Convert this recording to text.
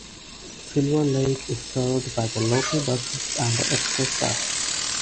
Silver Lake is served by the local buses and the express bus.